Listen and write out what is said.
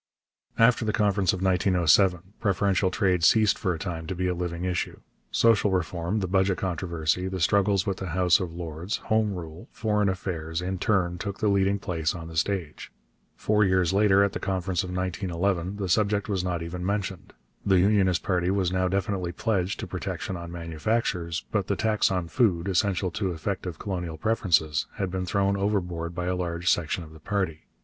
After the Conference of 1907 preferential trade ceased for a time to be a living issue. Social reform, the budget controversy, the struggles with the House of Lords, Home Rule, foreign affairs, in turn took the leading place on the stage. Four years later, at the Conference of 1911, the subject was not even mentioned. The Unionist party was now definitely pledged to protection on manufactures, but the tax on food, essential to effective colonial preferences, had been thrown overboard by a large section of the party.